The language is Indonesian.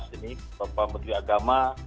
ini bapak menteri agama